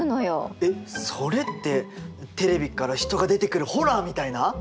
えっそれってテレビから人が出てくるホラーみたいな？